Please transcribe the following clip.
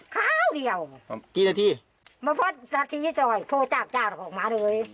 คราวเดียวพ่อจากจ้าวเข้ามาด้วย